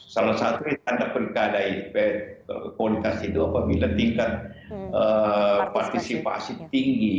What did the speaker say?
salah satu tanda pilkada itu apabila tingkat partisipasi tinggi